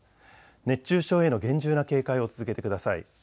熱中症への厳重な警戒を続けてください。